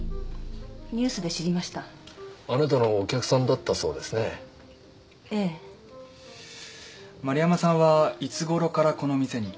ニュースで知りましたあなたのお客さんだったそうですねええ丸山さんはいつごろからこの店に？